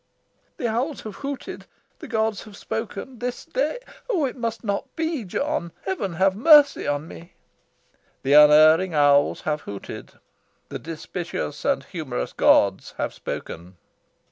"The owls have hooted. The gods have spoken. This day oh, it must not be, John! Heaven have mercy on me!" "The unerring owls have hooted. The dispiteous and humorous gods have spoken.